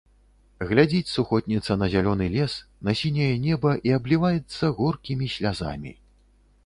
Глядзіць сухотніца на зялёны лес, на сіняе неба і абліваецца горкімі слязамі.